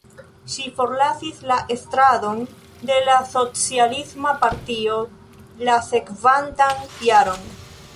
Ŝi forlasis la estradon de la Socialisma Partio la sekvantan jaron.